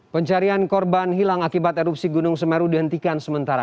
pencarian korban hilang akibat erupsi gunung semeru dihentikan sementara